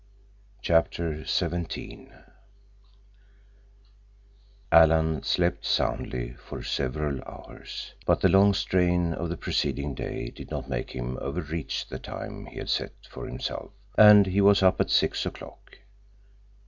CHAPTER XVII Alan slept soundly for several hours, but the long strain of the preceding day did not make him overreach the time he had set for himself, and he was up at six o'clock.